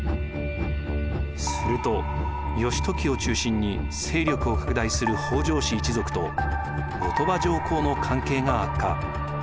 すると義時を中心に勢力を拡大する北条氏一族と後鳥羽上皇の関係が悪化。